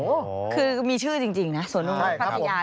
โอ้โฮคือมีชื่อจริงนะสวนงงนุษย์พัทยา